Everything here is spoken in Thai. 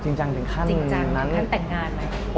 จริงจังถึงขั้นนั้นจริงจังถึงขั้นแต่งงานไหม